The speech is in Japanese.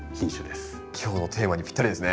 今日のテーマにぴったりですね。